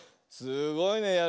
すごいね。